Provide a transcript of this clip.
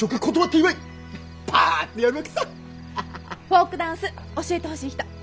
フォークダンス教えてほしい人！